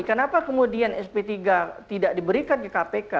kenapa kemudian sp tiga tidak diberikan ke kpk